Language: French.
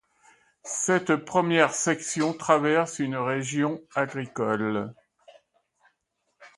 Cette première section traverse une région agricole.